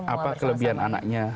apa kelebihan anaknya